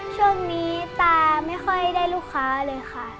ช่วงนี้ตาไม่ค่อยได้ลูกค้าเลยค่ะ